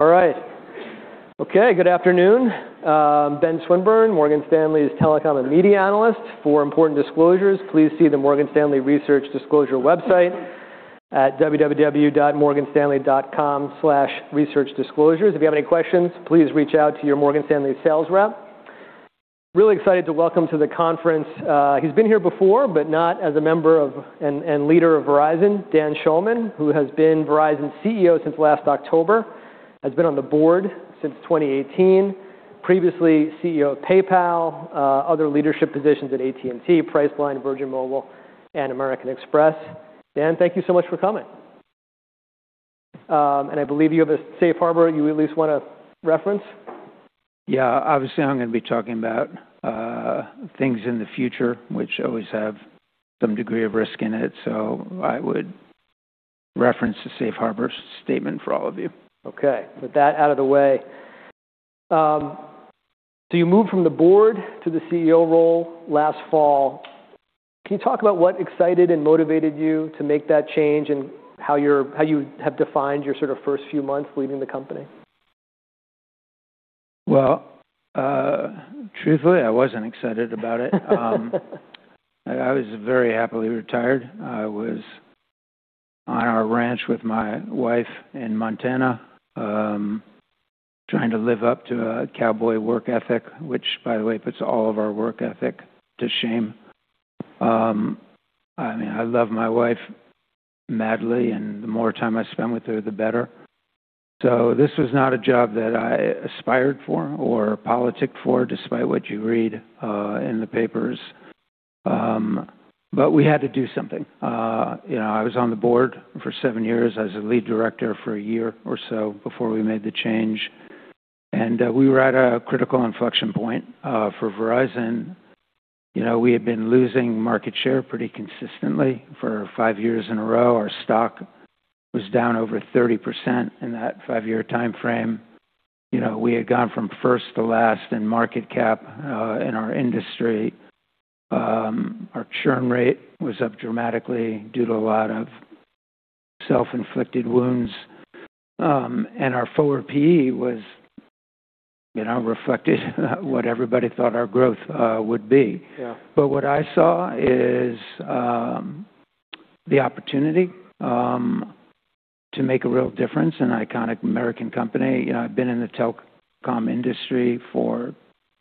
All right. Okay, good afternoon. Ben Swinburne, Morgan Stanley's telecom and media analyst. For important disclosures, please see the Morgan Stanley Research Disclosure website at www.morganstanley.com/researchdisclosures. If you have any questions, please reach out to your Morgan Stanley sales rep. Really excited to welcome to the conference, he's been here before, but not as a member of and leader of Verizon, Dan Schulman, who has been Verizon's CEO since last October. Has been on the board since 2018. Previously CEO of PayPal, other leadership positions at AT&T, Priceline, Virgin Mobile, and American Express. Dan, thank you so much for coming. I believe you have a safe harbor you at least wanna reference. Yeah. Obviously, I'm gonna be talking about things in the future, which always have some degree of risk in it. I would reference the safe harbor statement for all of you. Okay. With that out of the way, you moved from the board to the CEO role last fall. Can you talk about what excited and motivated you to make that change and how you have defined your sort of first few months leading the company? Well, truthfully, I wasn't excited about it. I was very happily retired. I was on our ranch with my wife in Montana, trying to live up to a cowboy work ethic, which, by the way, puts all of our work ethic to shame. I mean, I love my wife madly, and the more time I spend with her, the better. This was not a job that I aspired for or politicked for, despite what you read in the papers. We had to do something. You know, I was on the board for seven years. I was the lead director for a year or so before we made the change. We were at a critical inflection point for Verizon. You know, we had been losing market share pretty consistently for five years in a row. Our stock was down over 30% in that five-year timeframe. You know, we had gone from first to last in market cap in our industry. Our churn rate was up dramatically due to a lot of self-inflicted wounds. Our forward PE was, you know, reflected what everybody thought our growth would be. Yeah. What I saw is the opportunity to make a real difference in an iconic American company. You know, I've been in the telecom industry for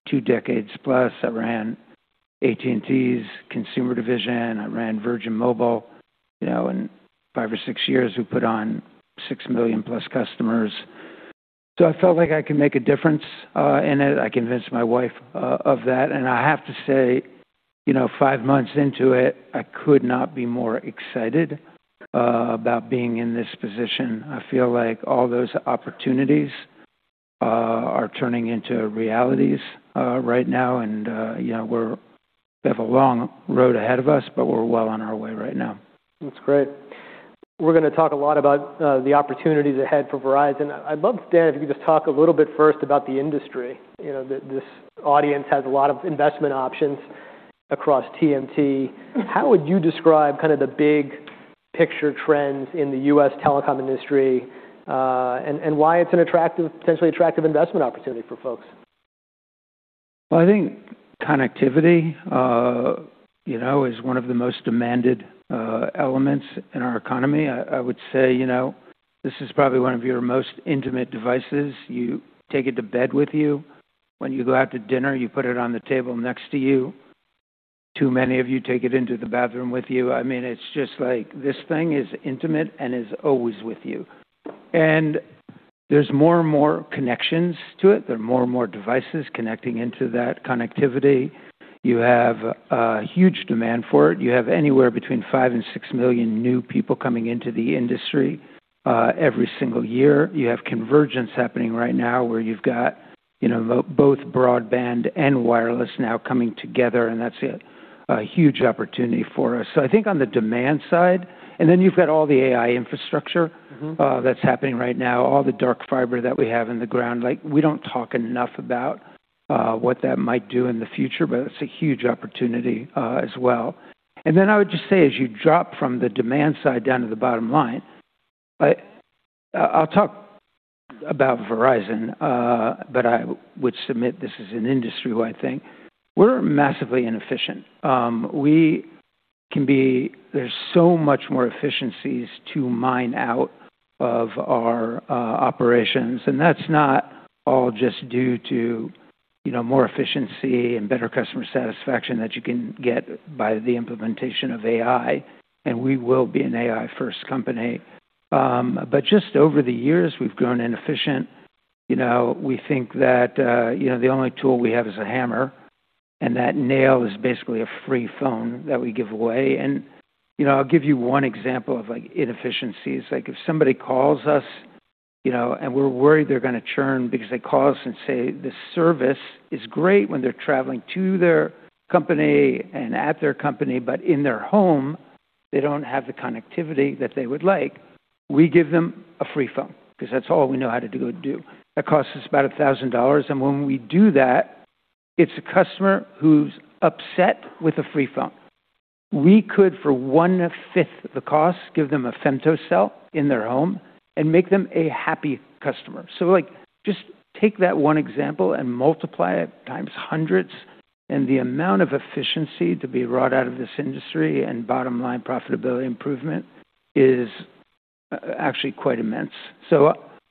two decades+. I ran AT&T's consumer division. I ran Virgin Mobile, you know, and five years or six years we put on 6 million+ customers. I felt like I could make a difference in it. I convinced my wife of that, I have to say, you know, five months into it, I could not be more excited about being in this position. I feel like all those opportunities are turning into realities right now, you know, we have a long road ahead of us, we're well on our way right now. That's great. We're gonna talk a lot about the opportunities ahead for Verizon. I'd love, Dan, if you could just talk a little bit first about the industry. You know, this audience has a lot of investment options across TMT. How would you describe kind of the big picture trends in the U.S. telecom industry and why it's an attractive, potentially attractive investment opportunity for folks? Well, I think connectivity, you know, is one of the most demanded elements in our economy. I would say, you know, this is probably one of your most intimate devices. You take it to bed with you. When you go out to dinner, you put it on the table next to you. Too many of you take it into the bathroom with you. I mean, it's just like this thing is intimate and is always with you. There's more and more connections to it. There are more and more devices connecting into that connectivity. You have a huge demand for it. You have anywhere between 5 million and 6 million new people coming into the industry every single year. You have convergence happening right now, where you've got, you know, both broadband and wireless now coming together. That's a huge opportunity for us. I think on the demand side. You've got all the AI infrastructure. Mm-hmm. that's happening right now, all the dark fiber that we have in the ground. Like, we don't talk enough about what that might do in the future, but it's a huge opportunity as well. I would just say, as you drop from the demand side down to the bottom line, I'll talk about Verizon, but I would submit this as an industry-wide thing. We're massively inefficient. There's so much more efficiencies to mine out of our operations, and that's not all just due to, you know, more efficiency and better customer satisfaction that you can get by the implementation of AI, and we will be an AI-first company. Just over the years we've grown inefficient. You know, we think that, you know, the only tool we have is a hammer, and that nail is basically a free phone that we give away. You know, I'll give you one example of, like, inefficiencies. Like, if somebody calls us, you know, and we're worried they're gonna churn because they call us and say the service is great when they're traveling to their company and at their company, but in their home, they don't have the connectivity that they would like, we give them a free phone because that's all we know how to do. That costs us about $1,000, and when we do that, it's a customer who's upset with a free phone. We could, for one-fifth the cost, give them a femtocell in their home and make them a happy customer. Like, just take that one example and multiply it times hundreds and the amount of efficiency to be wrought out of this industry and bottom-line profitability improvement is actually quite immense.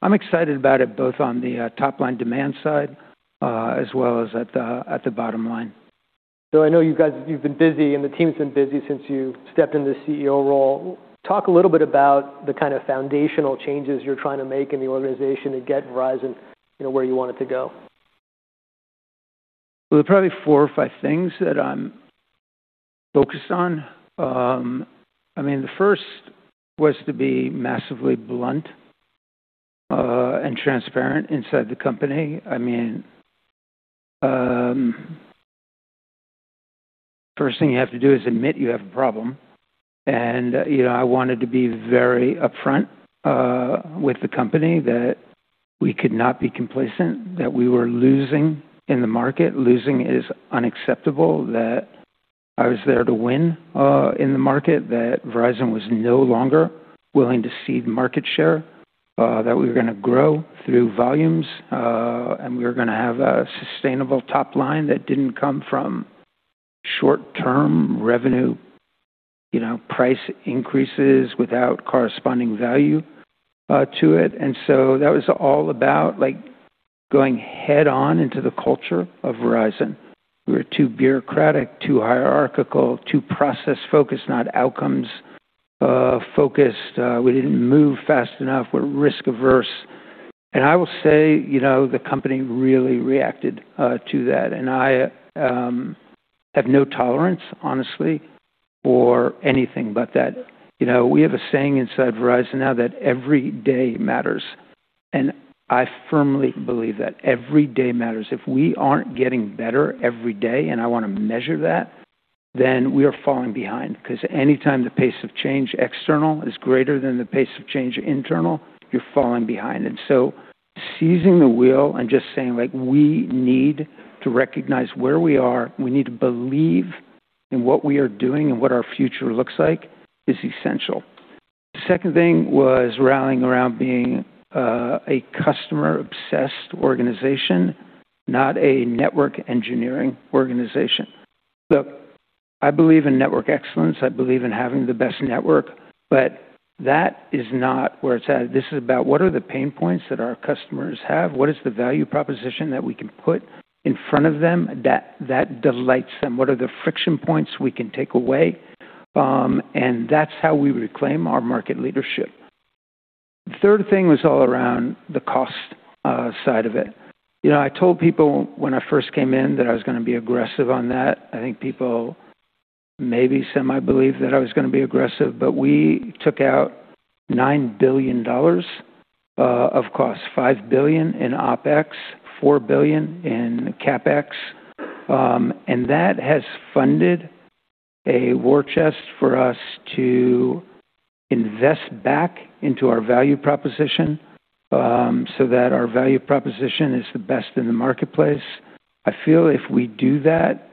I'm excited about it both on the top-line demand side, as well as at the bottom line. I know you've been busy and the team's been busy since you stepped into the CEO role. Talk a little bit about the kind of foundational changes you're trying to make in the organization to get Verizon, you know, where you want it to go. Well, there are probably four or five things that I'm focused on. I mean, the first was to be massively blunt and transparent inside the company. I mean, first thing you have to do is admit you have a problem. You know, I wanted to be very upfront with the company that we could not be complacent, that we were losing in the market. Losing is unacceptable, that I was there to win in the market, that Verizon was no longer willing to cede market share, that we were gonna grow through volumes, and we were gonna have a sustainable top line that didn't come from short-term revenue, you know, price increases without corresponding value to it. That was all about, like, going head-on into the culture of Verizon. We were too bureaucratic, too hierarchical, too process-focused, not outcomes focused, we didn't move fast enough, we're risk-averse. I will say, you know, the company really reacted to that. I have no tolerance, honestly, for anything but that. You know, we have a saying inside Verizon now that every day matters, and I firmly believe that. Every day matters. If we aren't getting better every day, and I wanna measure that, then we are falling behind. 'Cause anytime the pace of change external is greater than the pace of change internal, you're falling behind. Seizing the wheel and just saying, like, we need to recognize where we are, we need to believe in what we are doing and what our future looks like is essential. Second thing was rallying around being a customer-obsessed organization, not a network engineering organization. Look, I believe in network excellence. I believe in having the best network, that is not where it's at. This is about what are the pain points that our customers have? What is the value proposition that we can put in front of them that delights them? What are the friction points we can take away? That's how we reclaim our market leadership. Third thing was all around the cost side of it. You know, I told people when I first came in that I was gonna be aggressive on that. I think people maybe semi-believed that I was gonna be aggressive, but we took out $9 billion of cost, $5 billion in OpEx, $4 billion in CapEx. That has funded a war chest for us to invest back into our value proposition so that our value proposition is the best in the marketplace. I feel if we do that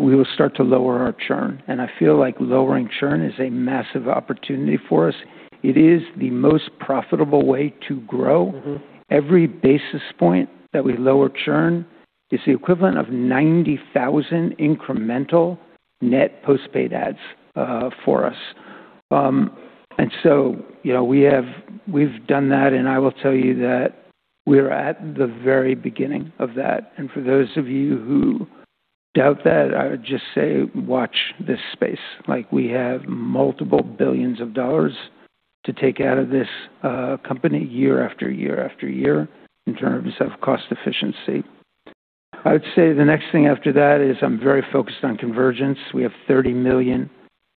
we will start to lower our churn, and I feel like lowering churn is a massive opportunity for us. It is the most profitable way to grow. Mm-hmm. Every basis point that we lower churn is the equivalent of 90,000 incremental net postpaid adds for us. you know, we've done that, and I will tell you that we are at the very beginning of that. For those of you who doubt that, I would just say watch this space. Like, we have multiple billions of dollars to take out of this company year after year after year in terms of cost efficiency. I would say the next thing after that is I'm very focused on convergence. We have 30 million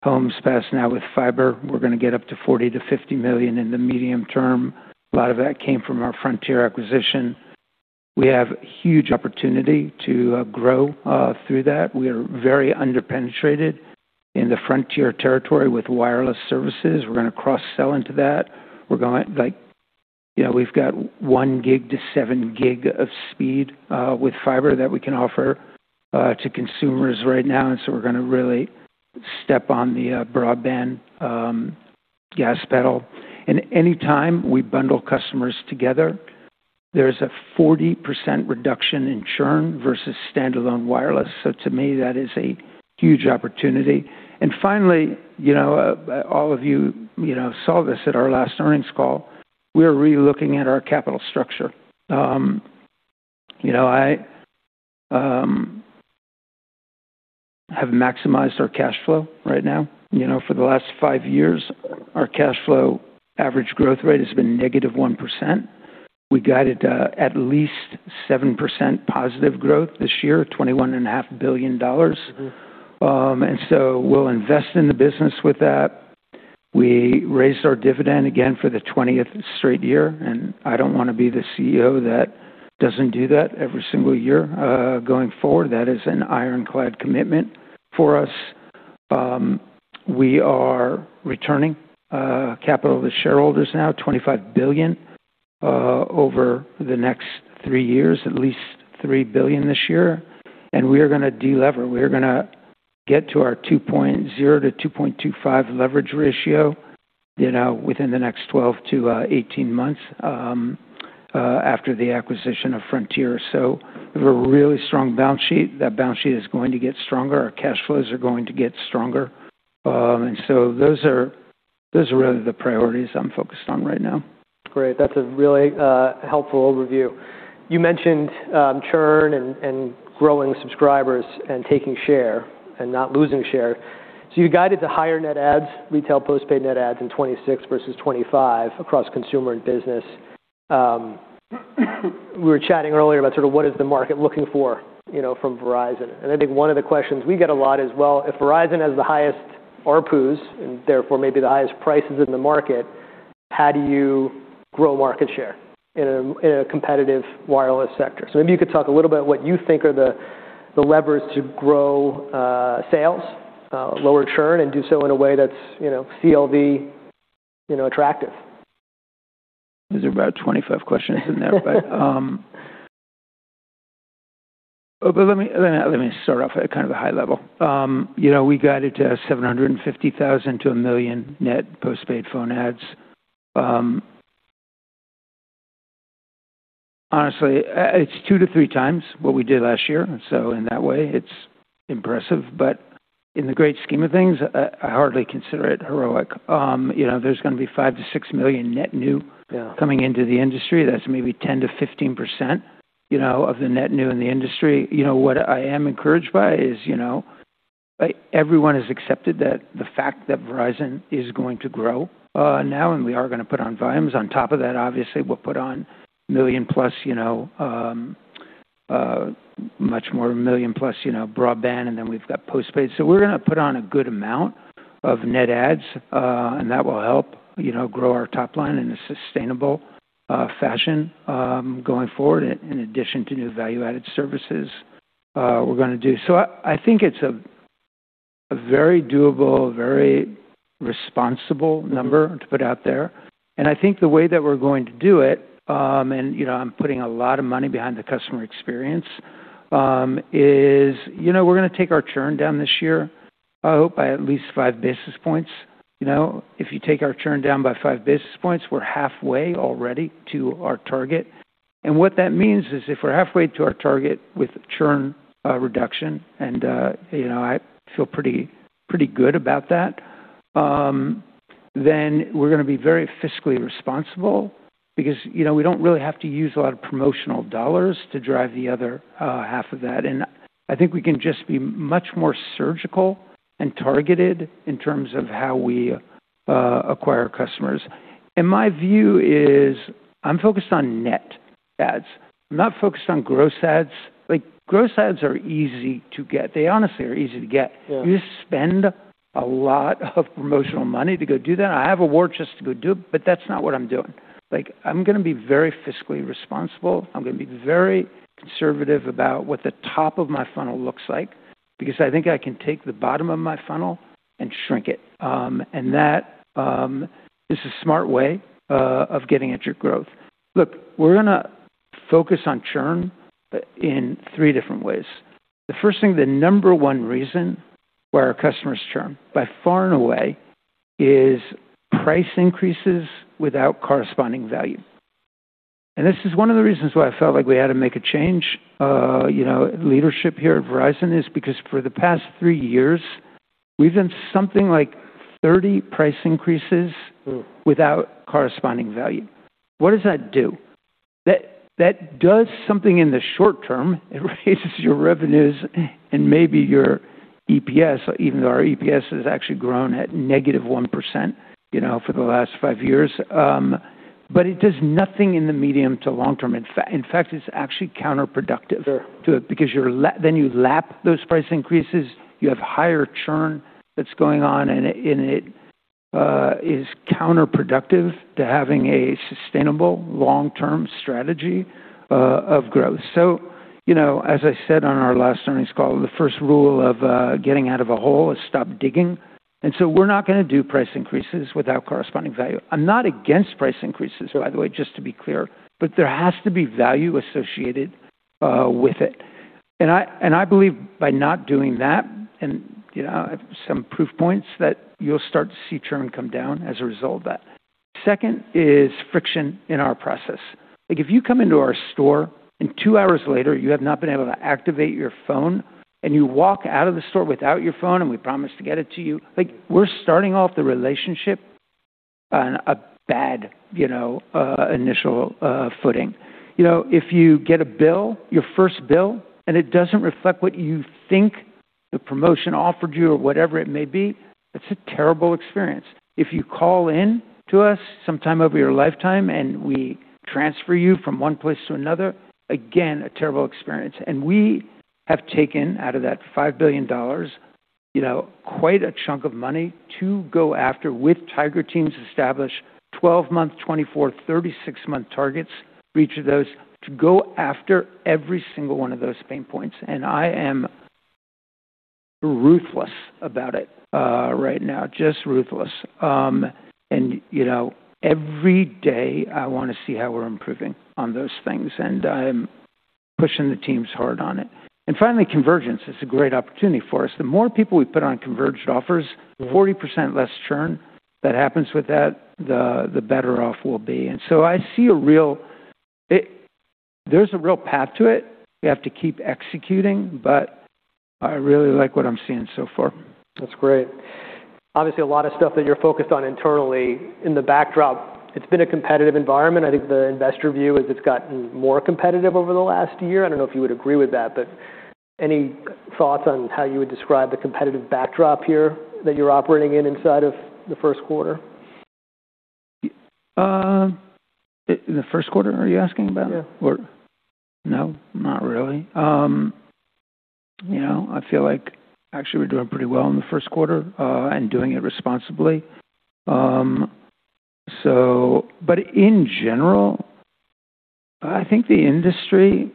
homes passed now with fiber. We're gonna get up to 40 million-50 million in the medium term. A lot of that came from our Frontier acquisition. We have huge opportunity to grow through that. We are very under-penetrated in the Frontier territory with wireless services. We're gonna cross-sell into that. Like, you know, we've got 1 gig -7 gig of speed with fiber that we can offer to consumers right now. We're gonna really step on the broadband gas pedal. Any time we bundle customers together, there's a 40% reduction in churn versus standalone wireless. To me, that is a huge opportunity. Finally, you know, all of you know, saw this at our last earnings call, we are re-looking at our capital structure. You know, I have maximized our cash flow right now. You know, for the last five years, our cash flow average growth rate has been -1%. We guided at least 7%+ growth this year, 21 and a half billion USD. Mm-hmm. We'll invest in the business with that. We raised our dividend again for the 20th straight year, and I don't wanna be the CEO that doesn't do that every single year going forward. That is an ironclad commitment for us. We are returning capital to shareholders now, $25 billion over the next three years, at least $3 billion this year. We are gonna delever. We are gonna get to our 2.0-2.25 leverage ratio, you know, within the next 12 months-18 months after the acquisition of Frontier. We have a really strong balance sheet. That balance sheet is going to get stronger. Our cash flows are going to get stronger. Those are really the priorities I'm focused on right now. Great. That's a really helpful overview. You mentioned churn and growing subscribers and taking share and not losing share. You guided to higher net adds, retail postpaid net adds in 2026 versus 2025 across consumer and business. We were chatting earlier about sort of what is the market looking for, you know, from Verizon. I think one of the questions we get a lot is, well, if Verizon has the highest ARPU and therefore maybe the highest prices in the market, how do you grow market share in a competitive wireless sector? Maybe you could talk a little bit what you think are the levers to grow sales, lower churn, and do so in a way that's, you know, CLV, you know, attractive. There's about 25 questions in there. Let me start off at kind of a high level. You know, we got it to 750,000-1 million net postpaid phone adds. Honestly, it's 2x-3x what we did last year. In that way it's impressive, but in the great scheme of things, I hardly consider it heroic. You know, there's gonna be 5 million-6 million net new- Yeah coming into the industry. That's maybe 10%-15%, you know, of the net new in the industry. You know what I am encouraged by is, you know, everyone has accepted that the fact that Verizon is going to grow now and we are gonna put on volumes on top of that. Obviously, we'll put on million+, you know, much more than 1 million+, you know, broadband, and then we've got postpaid. We're gonna put on a good amount of net adds, and that will help, you know, grow our top line in a sustainable fashion going forward in addition to new value-added services we're gonna do. I think it's a very doable, very responsible number to put out there. I think the way that we're going to do it, and you know, I'm putting a lot of money behind the customer experience, is, you know, we're gonna take our churn down this year, I hope by at least 5 basis points. You know, if you take our churn down by 5 basis points, we're halfway already to our target. What that means is if we're halfway to our target with churn reduction and, you know, I feel pretty good about that, then we're gonna be very fiscally responsible because, you know, we don't really have to use a lot of promotional dollars to drive the other half of that. I think we can just be much more surgical and targeted in terms of how we acquire customers. My view is I'm focused on net adds. I'm not focused on gross adds. Like, gross adds are easy to get. They honestly are easy to get. Yeah. You just spend a lot of promotional money to go do that. I have a word just to go do it, but that's not what I'm doing. I'm gonna be very fiscally responsible. I'm gonna be very conservative about what the top of my funnel looks like because I think I can take the bottom of my funnel and shrink it. That is a smart way of getting at your growth. Look, we're gonna focus on churn in three different ways. The first thing, the number one reason why our customers churn by far and away is price increases without corresponding value. This is one of the reasons why I felt like we had to make a change, you know, leadership here at Verizon, is because for the past three years, we've done something like 30 price increases- Mm. without corresponding value. What does that do? That does something in the short term. It raises your revenues and maybe your EPS, even though our EPS has actually grown at negative 1%, you know, for the last five years. It does nothing in the medium to long term. In fact, it's actually counterproductive. Sure -to it because you lap those price increases, you have higher churn that's going on, and it is counterproductive to having a sustainable long-term strategy of growth. You know, as I said on our last earnings call, the first rule of getting out of a hole is stop digging. We're not gonna do price increases without corresponding value. I'm not against price increases, by the way, just to be clear, but there has to be value associated with it. I believe by not doing that and, you know, I have some proof points that you'll start to see churn come down as a result of that. Second is friction in our process. If you come into our store and two hours later you have not been able to activate your phone, and you walk out of the store without your phone, and we promise to get it to you, like we're starting off the relationship on a bad, you know, initial footing. You know, if you get a bill, your first bill, and it doesn't reflect what you think the promotion offered you or whatever it may be, it's a terrible experience. If you call in to us sometime over your lifetime and we transfer you from one place to another, again, a terrible experience. We have taken out of that $5 billion, you know, quite a chunk of money to go after with Tiger Teams, establish 12-month, 24-month, 36-month targets for each of those to go after every single one of those pain points. I am ruthless about it, right now. Just ruthless. You know, every day I want to see how we're improving on those things, and I'm pushing the teams hard on it. Finally, convergence is a great opportunity for us. The more people we put on converged offers. Mm-hmm. 40% less churn that happens with that, the better off we'll be. There's a real path to it. We have to keep executing, but I really like what I'm seeing so far. That's great. Obviously, a lot of stuff that you're focused on internally. In the backdrop, it's been a competitive environment. I think the investor view is it's gotten more competitive over the last year. I don't know if you would agree with that, but any thoughts on how you would describe the competitive backdrop here that you're operating in inside of the first quarter? The first quarter, are you asking about? Yeah. No, not really. You know, I feel like actually we're doing pretty well in the first quarter and doing it responsibly. In general, I think the industry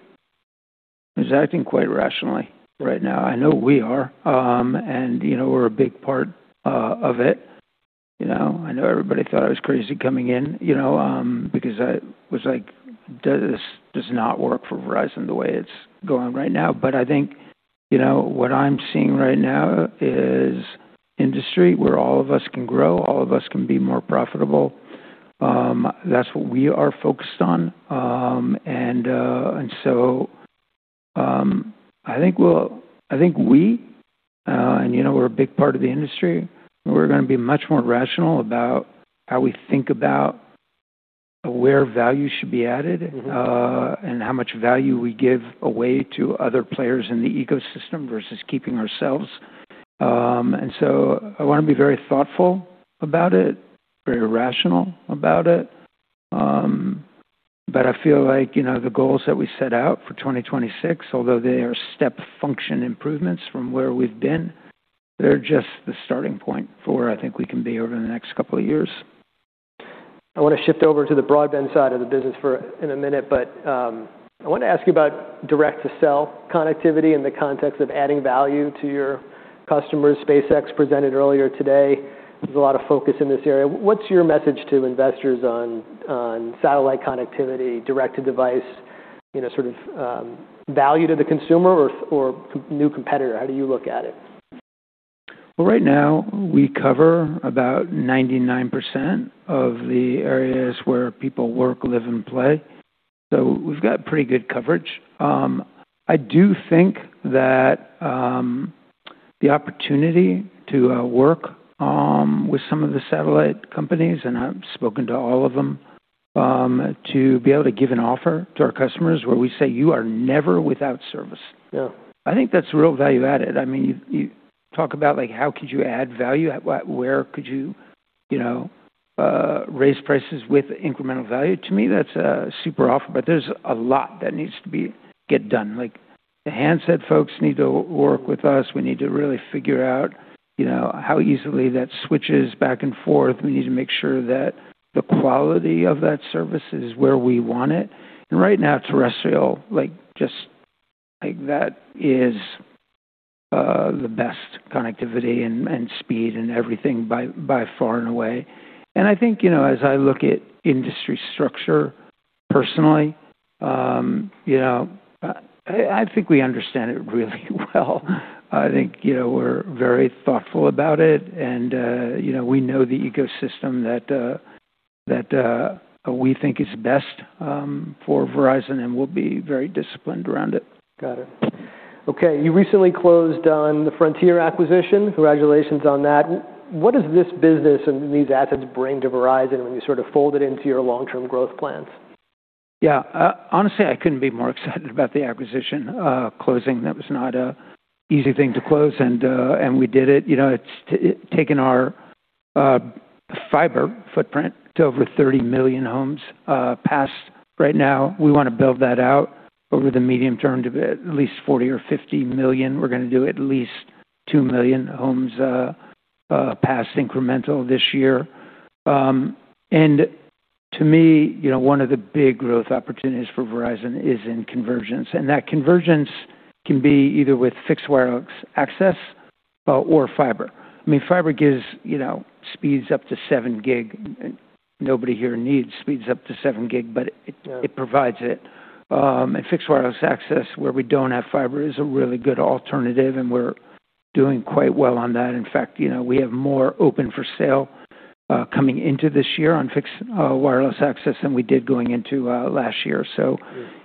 is acting quite rationally right now. I know we are. You know, we're a big part of it. You know, I know everybody thought I was crazy coming in, you know, because I was like, "This does not work for Verizon the way it's going right now." I think, you know, what I'm seeing right now is industry where all of us can grow, all of us can be more profitable. That's what we are focused on. I think we, and you know, we're a big part of the industry, we're gonna be much more rational about how we think about where value should be added. Mm-hmm. How much value we give away to other players in the ecosystem versus keeping ourselves. I wanna be very thoughtful about it, very rational about it. I feel like, you know, the goals that we set out for 2026, although they are step function improvements from where we've been, they're just the starting point for where I think we can be over the next couple of years. I want to shift over to the broadband side of the business in a minute, but I want to ask you about direct-to-cell connectivity in the context of adding value to your customers. SpaceX presented earlier today. There's a lot of focus in this area. What's your message to investors on satellite connectivity, direct-to-device, you know, sort of, value to the consumer or new competitor? How do you look at it? Well, right now, we cover about 99% of the areas where people work, live, and play. We've got pretty good coverage. I do think that the opportunity to work with some of the satellite companies, and I've spoken to all of them, to be able to give an offer to our customers where we say, "You are never without service. Yeah. I think that's real value added. I mean, you talk about, like, how could you add value? Where could you know, raise prices with incremental value? To me, that's super offer, but there's a lot that needs to get done. Like, the handset folks need to work with us. We need to really figure out, you know, how easily that switches back and forth. We need to make sure that the quality of that service is where we want it. Right now, terrestrial, like, just, like, that is the best connectivity and speed and everything by far and away. I think, you know, as I look at industry structure personally, you know, I think we understand it really well. I think, you know, we're very thoughtful about it and, you know, we know the ecosystem that we think is best for Verizon, and we'll be very disciplined around it. Got it. Okay. You recently closed on the Frontier acquisition. Congratulations on that. What does this business and these assets bring to Verizon when you sort of fold it into your long-term growth plans? Yeah. Honestly, I couldn't be more excited about the acquisition, closing. That was not a easy thing to close, and we did it. You know, it's taken our fiber footprint to over 30 million homes past. Right now, we wanna build that out over the medium term to be at least 40 million or 50 million. We're gonna do at least 2 million homes past incremental this year. To me, you know, one of the big growth opportunities for Verizon is in convergence, and that convergence can be either with Fixed Wireless Access or fiber. I mean, fiber gives, you know, speeds up to 7 gig. Nobody here needs speeds up to 7 gig, but it. Yeah. it provides it. Fixed Wireless Access, where we don't have fiber, is a really good alternative, and we're doing quite well on that. In fact, you know, we have more open for sale coming into this year on Fixed Wireless Access than we did going into last year. Sure.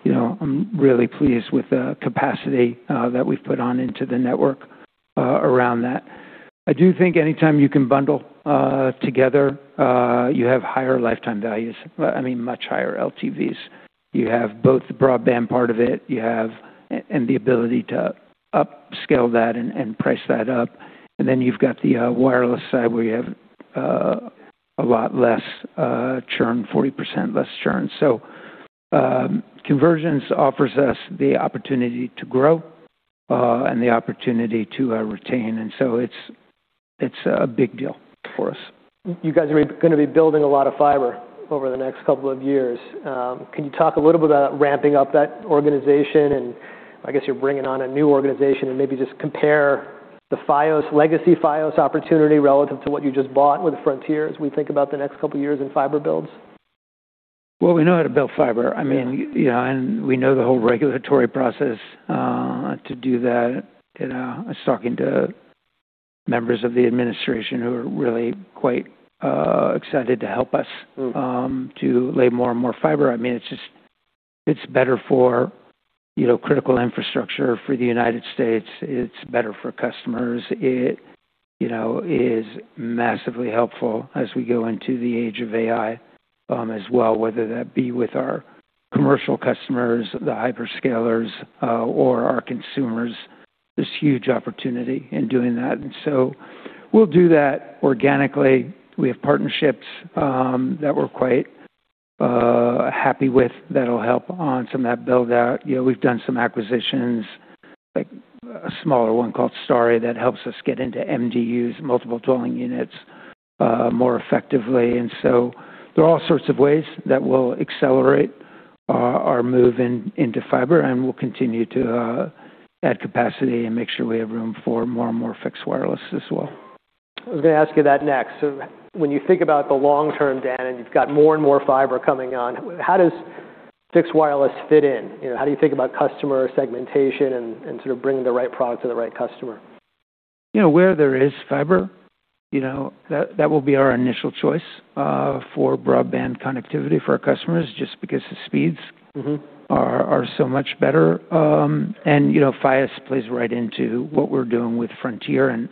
you know, I'm really pleased with the capacity that we've put on into the network around that. I do think anytime you can bundle together, you have higher lifetime values. I mean, much higher LTVs. You have both the broadband part of it, and the ability to upscale that and price that up. Then you've got the wireless side, where you have a lot less churn, 40% less churn. Convergence offers us the opportunity to grow and the opportunity to retain. So it's a big deal for us. You guys are going to be building a lot of fiber over the next couple of years. Can you talk a little bit about ramping up that organization? I guess you're bringing on a new organization and maybe just compare the Fios, legacy Fios opportunity relative to what you just bought with Frontier as we think about the next couple of years in fiber builds? Well, we know how to build fiber. I mean, you know, we know the whole regulatory process to do that. You know, I was talking to members of the administration who are really quite excited to help us. Mm-hmm. to lay more and more fiber. I mean, it's better for, you know, critical infrastructure for the United States. It's better for customers. It, you know, is massively helpful as we go into the age of AI as well, whether that be with our commercial customers, the hyperscalers or our consumers. This huge opportunity in doing that. We'll do that organically. We have partnerships that we're quite happy with that'll help on some of that build-out. You know, we've done some acquisitions, like a smaller one called Starry, that helps us get into MDUs, multiple dwelling units, more effectively. There are all sorts of ways that will accelerate our move into fiber, and we'll continue to add capacity and make sure we have room for more and more fixed wireless as well. I was going to ask you that next. When you think about the long term, Dan, and you've got more and more fiber coming on, how does fixed wireless fit in? You know, how do you think about customer segmentation and sort of bringing the right product to the right customer? You know, where there is fiber, you know, that will be our initial choice, for broadband connectivity for our customers, just because the speeds. Mm-hmm. are so much better. You know, Fios plays right into what we're doing with Frontier, and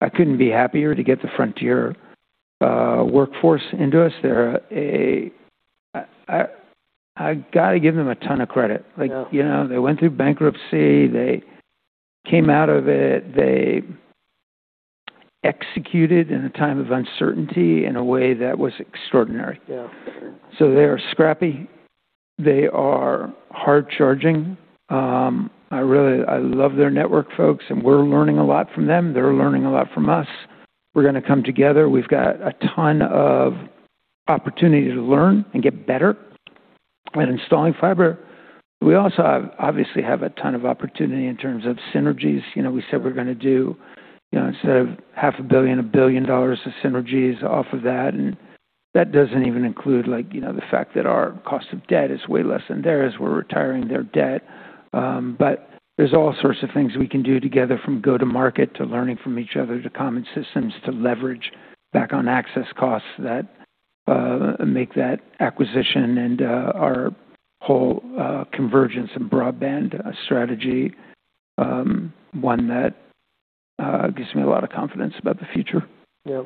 I couldn't be happier to get the Frontier workforce into us. They're I gotta give them a ton of credit. Yeah. Like, you know, they went through bankruptcy. They came out of it. They executed in a time of uncertainty in a way that was extraordinary. Yeah. They are scrappy. They are hard charging. I love their network folks, and we're learning a lot from them. They're learning a lot from us. We're going to come together. We've got a ton of opportunity to learn and get better at installing fiber. We obviously have a ton of opportunity in terms of synergies. You know, we said we're going to do, you know, instead of $0.5 billion, $1 billion of synergies off of that. That doesn't even include, like, you know, the fact that our cost of debt is way less than theirs. We're retiring their debt. There's all sorts of things we can do together, from go to market to learning from each other, to common systems, to leverage back on access costs that make that acquisition and our whole convergence and broadband strategy, one that gives me a lot of confidence about the future. Yeah.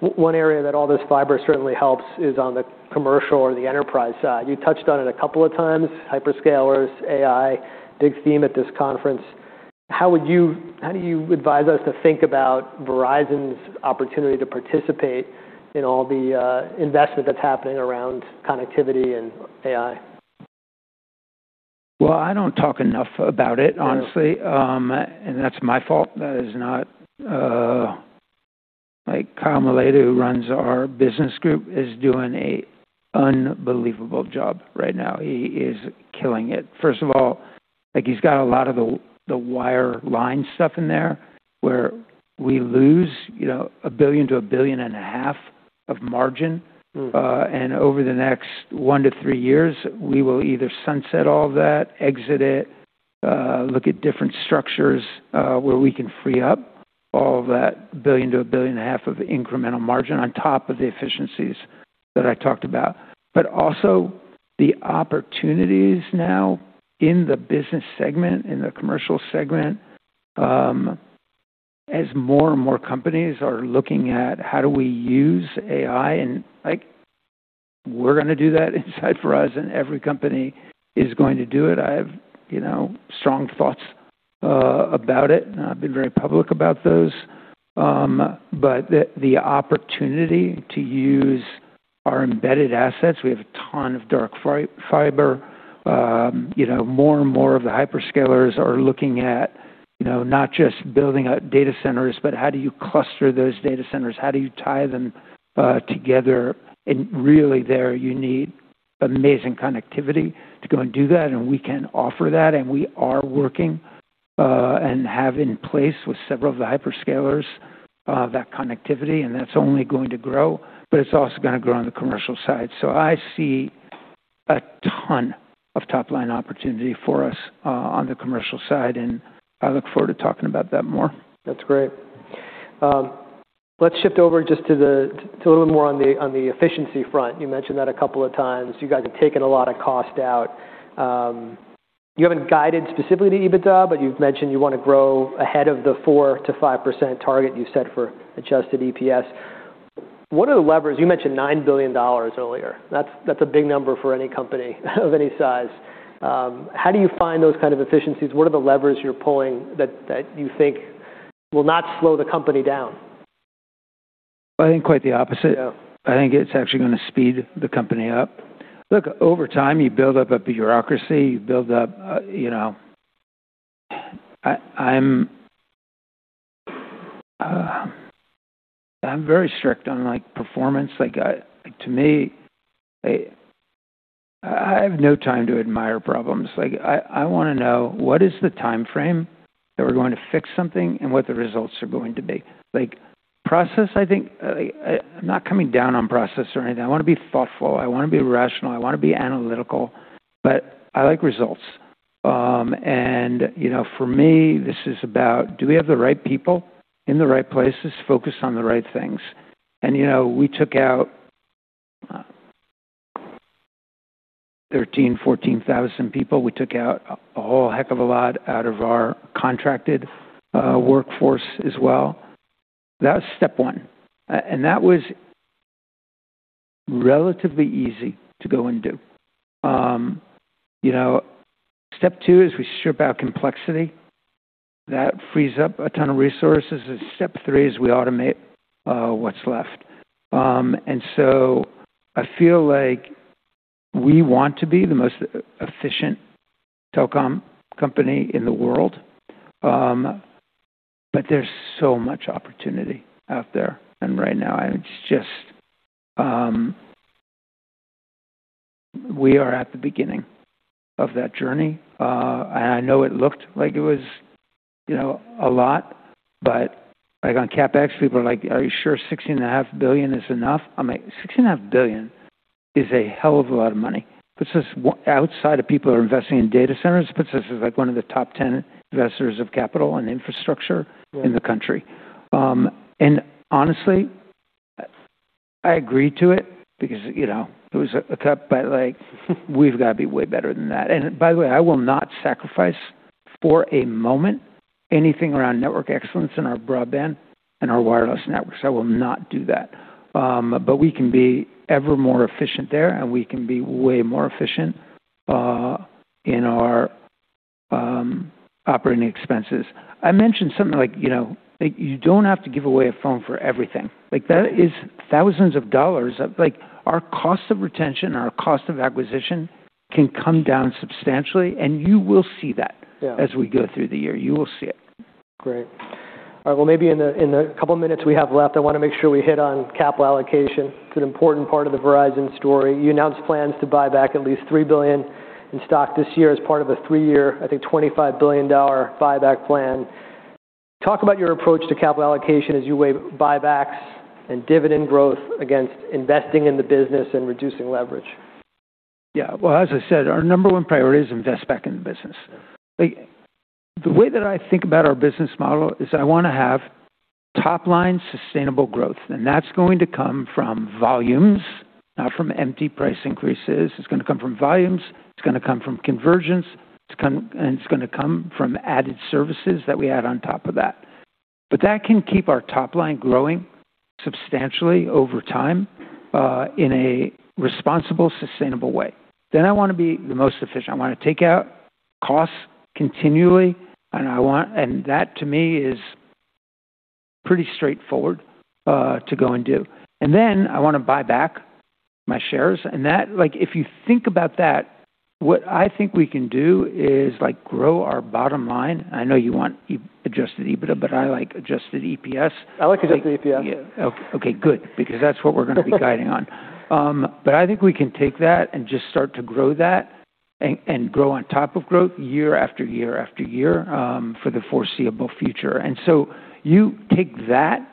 One area that all this fiber certainly helps is on the commercial or the enterprise side. You touched on it a couple of times, hyperscalers, AI, big theme at this conference. How do you advise us to think about Verizon's opportunity to participate in all the investment that's happening around connectivity and AI? Well, I don't talk enough about it, honestly. Yeah. That's my fault. That is not. Kyle Malady, who runs our business group, is doing a unbelievable job right now. He is killing it. First of all, he's got a lot of the wireline stuff in there, where we lose, you know, $1 billion to a billion and a half of margin. Mm. Over the next 1 year-3 years, we will either sunset all that, exit it, look at different structures, where we can free up all that $1 billion-$1.5 billion of incremental margin on top of the efficiencies that I talked about. Also the opportunities now in the business segment, in the commercial segment, as more and more companies are looking at how do we use AI. Like, we're going to do that inside Verizon. Every company is going to do it. I have, you know, strong thoughts about it, and I've been very public about those. The opportunity to use our embedded assets, we have a ton of dark fiber. You know, more and more of the hyperscalers are looking at, you know, not just building out data centers, but how do you cluster those data centers? How do you tie them together? Really there, you need amazing connectivity to go and do that, and we can offer that. We are working and have in place with several of the hyperscalers that connectivity, and that's only going to grow, but it's also going to grow on the commercial side. I see a ton of top-line opportunity for us on the commercial side, and I look forward to talking about that more. That's great. Let's shift over just to a little more on the, on the efficiency front. You mentioned that a couple of times. You guys have taken a lot of cost out. You haven't guided specifically to EBITDA, but you've mentioned you want to grow ahead of the 4%-5% target you set for adjusted EPS. What are the levers? You mentioned $9 billion earlier. That's a big number for any company of any size. How do you find those kind of efficiencies? What are the levers you're pulling that you think will not slow the company down? I think quite the opposite. I think it's actually gonna speed the company up. Look, over time, you build up a bureaucracy, you build up... You know, I'm very strict on, like, performance. To me, I have no time to admire problems. I wanna know what is the timeframe that we're going to fix something and what the results are going to be. Like, process, I think, like, I'm not coming down on process or anything. I wanna be thoughtful, I wanna be rational, I wanna be analytical, but I like results. You know, for me, this is about do we have the right people in the right places focused on the right things? You know, we took out 13,000-14,000 people. We took out a whole heck of a lot out of our contracted workforce as well. That was step one. That was relatively easy to go and do. You know, step two is we strip out complexity. That frees up a ton of resources, and step three is we automate what's left. I feel like we want to be the most efficient telecom company in the world. There's so much opportunity out there. Right now it's just, We are at the beginning of that journey. I know it looked like it was, you know, a lot, but like on CapEx, people are like, "Are you sure $60.5 billion is enough?" I'm like, $60.5 billion is a hell of a lot of money. Puts us Outside of people who are investing in data centers, puts us as, like, one of the top 10 investors of capital and infrastructure in the country. Honestly, I agreed to it because, you know, it was a cut, but, like, we've got to be way better than that. By the way, I will not sacrifice for a moment anything around network excellence in our broadband and our wireless networks. I will not do that. But we can be ever more efficient there, and we can be way more efficient in our operating expenses. I mentioned something like, you know, like, you don't have to give away a phone for everything. Like, that is thousands of dollars. Like, our cost of retention, our cost of acquisition can come down substantially, and you will see that. Yeah. as we go through the year. You will see it. Great. All right. Well, maybe in the couple minutes we have left, I want to make sure we hit on capital allocation. It's an important part of the Verizon story. You announced plans to buy back at least $3 billion in stock this year as part of a three-year, I think, $25 billion buyback plan. Talk about your approach to capital allocation as you weigh buybacks and dividend growth against investing in the business and reducing leverage. Yeah. Well, as I said, our number one priority is invest back in the business. Like, the way that I think about our business model is I wanna have top-line sustainable growth, and that's going to come from volumes, not from empty price increases. It's gonna come from volumes, it's gonna come from convergence. It's gonna come from added services that we add on top of that. That can keep our top line growing substantially over time in a responsible, sustainable way. I wanna be the most efficient. I want to take out costs continually. That to me is pretty straightforward to go and do. I want to buy back my shares. Like, if you think about that, what I think we can do is, like, grow our bottom line. I know you want adjusted EBITDA, but I like adjusted EPS. I like adjusted EPS. Yeah. Okay, good, because that's what we're gonna be guiding on. I think we can take that and just start to grow that and grow on top of growth year after year after year for the foreseeable future. You take that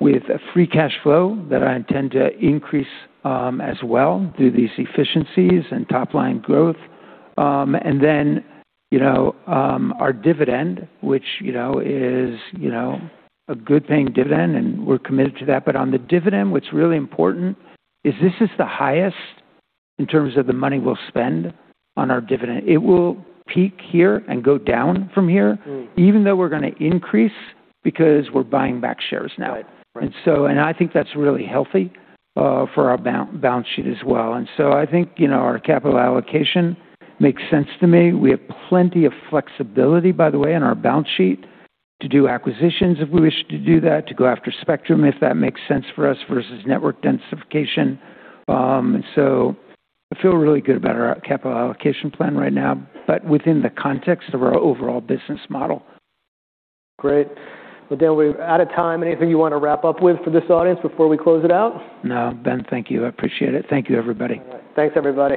with a free cash flow that I intend to increase as well through these efficiencies and top-line growth. Our dividend, which, you know, is, you know, a good paying dividend, and we're committed to that. On the dividend, what's really important is this is the highest in terms of the money we'll spend on our dividend. It will peak here and go down from here even though we're gonna increase because we're buying back shares now. Right. Right. I think that's really healthy for our balance sheet as well. I think, you know, our capital allocation makes sense to me. We have plenty of flexibility, by the way, in our balance sheet to do acquisitions if we wish to do that, to go after spectrum, if that makes sense for us, versus network densification. I feel really good about our capital allocation plan right now, but within the context of our overall business model. Great. Well, Dan, we're out of time. Anything you want to wrap up with for this audience before we close it out? No. Ben, thank you. I appreciate it. Thank you, everybody. Thanks, everybody.